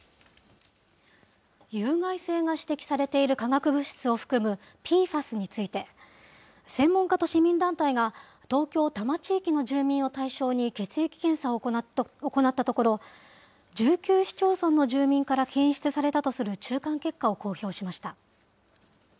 有害性が指摘されている化学物質を含むＰＦＡＳについて、専門家と市民団体が東京・多摩地域の住民を対象に血液検査を行ったところ、１９市町村の住民から検出されたとする中間結果を公表しました。